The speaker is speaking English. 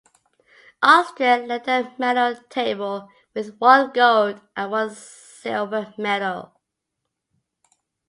Austria led the medal table with one gold and one silver medal.